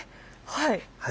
はい。